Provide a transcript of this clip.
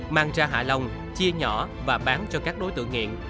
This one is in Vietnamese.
mang ra hạ long chia nhỏ và bán cho các đối tượng nghiện